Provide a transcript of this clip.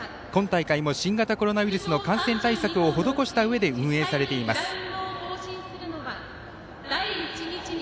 今大会も新型コロナウイルスの感染対策を施したうえで運営されています。